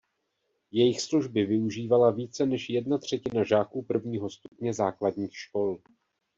Jejich služby využívala více než jedna třetina žáků prvního stupně základních škol.